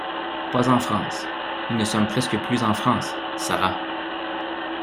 Pas en France. Nous ne sommes presque plus en France, Sara.